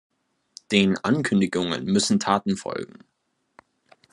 Den Ankündigungen müssen Taten folgen.